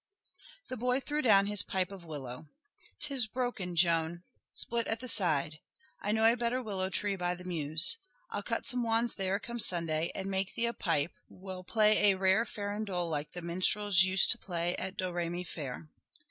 The boy threw down his pipe of willow. "'Tis broken, Joan, split at the side. I know a better willow tree by the Meuse. I'll cut some wands there come Sunday, and make thee a pipe will play a rare farandole like the minstrels used to play at Domremy Fair."